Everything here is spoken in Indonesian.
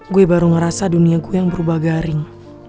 gue baru ngerasa dunia gue yang berubah garing